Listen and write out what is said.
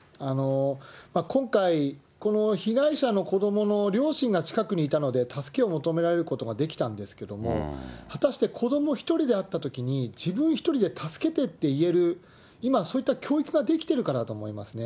今回、この被害者の子どもの両親が近くにいたので、助けを求められることが出来たんですけども、果たして子ども一人であったときに、自分一人で助けてって言える、今そういった教育ができてるかなと思いますね。